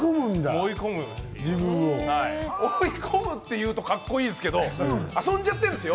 追い込むって言ったらカッコいいですけれども、遊んじゃってるんですよ。